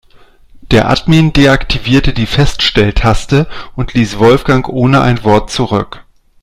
Der Admin deaktivierte die Feststelltaste und ließ Wolfgang ohne ein Wort zurück.